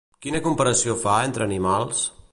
Quina comparació fa entre animals?